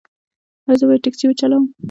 ایا زه باید ټکسي وچلوم؟